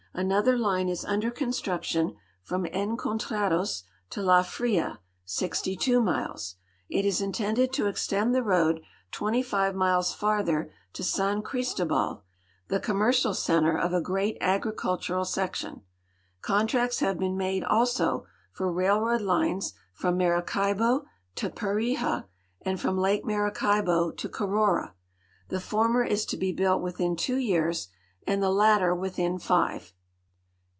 Another line is under construc tion from Encoutrados to La Fria, 62 miles. It is intended to extend the road 25 miles farther to San Cristobal, the commercial center of a great agricultural section. Contracts have been made also for railroad lines from iNIaracaibo to Perijaaud from Lake Maracaibo to Carora. The former is to be bnilt within two years and the latter within five.